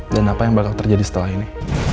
dan apa yang bakal terjadi setelah ini